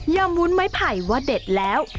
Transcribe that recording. วุ้นไม้ไผ่ว่าเด็ดแล้ว